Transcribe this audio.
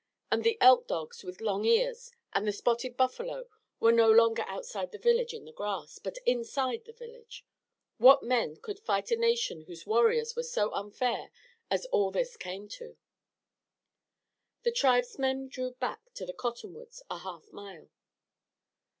And the elk dogs with long ears, and the spotted buffalo, were no longer outside the village in the grass, but inside the village. What men could fight a nation whose warriors were so unfair as all this came to? The tribesmen drew back to the cottonwoods a half mile.